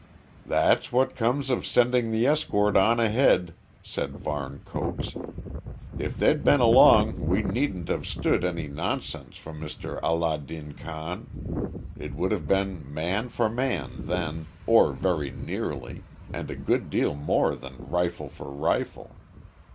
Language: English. "That's what comes of sending the escort on ahead," said Varne Coates. "If they'd been along we needn't have stood any nonsense from Mr Allah din Khan. It would have been man for man then, or very nearly, and a good deal more than rifle for rifle."